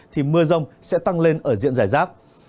thì mưa rông sẽ tăng lên ở diện giải rác